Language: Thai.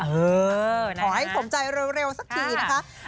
ขอให้สมใจเร็วสักทีนะคะ